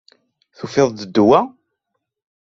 Tufiḍ-d ddwa?